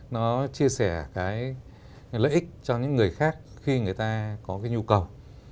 nó chia sẻ cái lợi ích cho những người khác khi người ta có cái nhu cầu